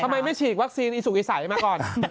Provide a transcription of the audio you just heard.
ทำไมไม่ฉีดวัคซีนอีสุอีสัยมาก่อน